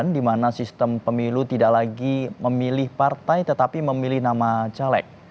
di mana sistem pemilu tidak lagi memilih partai tetapi memilih nama caleg